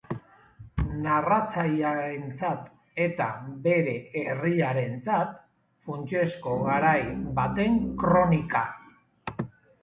Narratzailearentzat eta bere herriarentzat funtsezko garai baten kronika.